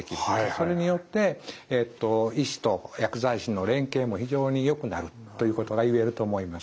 それによって医師と薬剤師の連携も非常によくなるということがいえると思います。